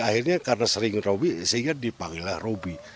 akhirnya karena sering robby sehingga dipanggil robby